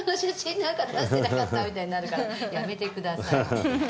みたいになるからやめてください。